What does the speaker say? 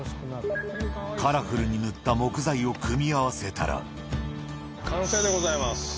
カラフルに塗った木材を組み完成でございます。